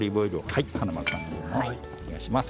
華丸さんもお願いします。